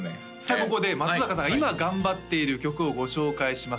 ここで松阪さんが今頑張っている曲をご紹介します